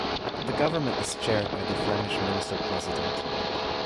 The Government is chaired by the Flemish Minister-President.